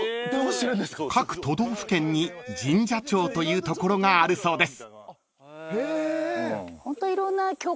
［各都道府県に神社庁という所があるそうです］